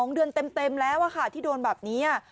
๒เดือนเต็มแล้วค่ะที่โดนแบบนี้